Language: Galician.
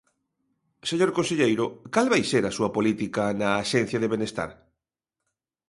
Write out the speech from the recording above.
Señor conselleiro, ¿cal vai ser a súa política na Axencia de Benestar?